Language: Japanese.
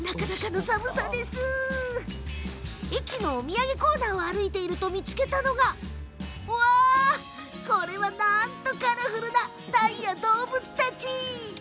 駅のお土産コーナーを歩いて見つけたのがおお、これは、なんとカラフルな鯛や動物たち。